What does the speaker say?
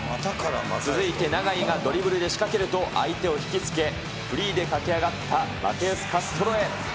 続いて永井がドリブルで仕掛けると、相手を引きつけ、フリーで駆け上がったマテウス・カストロへ。